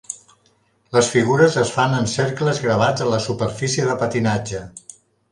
Les figures es fan en cercles gravats a la superfície de patinatge.